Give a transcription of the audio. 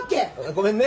ごめんね。